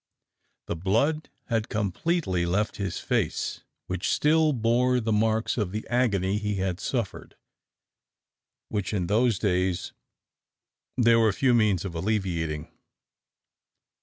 The blood had completely left his face, which still bore the marks of the agony he had suffered, which in those days there were few means of alleviating.